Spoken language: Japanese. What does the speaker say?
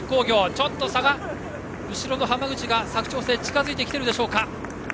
ちょっと後ろの浜口、佐久長聖が近づいてきているでしょうか。